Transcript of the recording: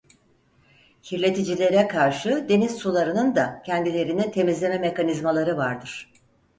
Kirleticilere karşı deniz sularının da kendilerini temizleme mekanizmaları vardır.